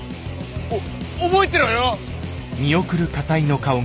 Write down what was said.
お覚えてろよ！